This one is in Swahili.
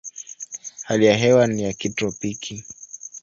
Hali ya hewa ni ya kitropiki.